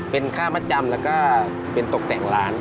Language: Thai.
เป็นค่ามัดจำแล้วก็เป็นตกแต่งร้าน